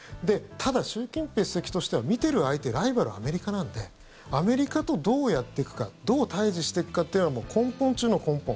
ただ、習近平主席としては見ている相手ライバルはアメリカなのでアメリカとどうやっていくかどう対峙していくかというのは根本中の根本。